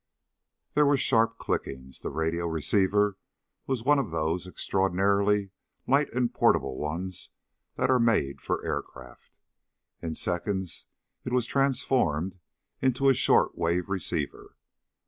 There were sharp clickings. The radio receiver was one of those extraordinarily light and portable ones that are made for aircraft. In seconds it was transformed into a short wave receiver.